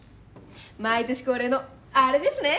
毎年恒例のあれですね！